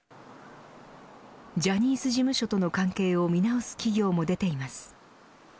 ジャニーズ事務所との関係を見直す企業も出ています。